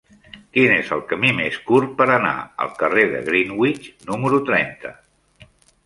Quin és el camí més curt per anar al carrer de Greenwich número trenta?